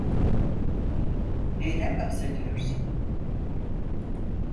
Neyden bahsediyorsun?